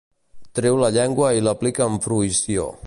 Treu la llengua i l'aplica amb fruïció.